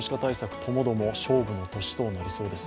ともども勝負の年となりそうです。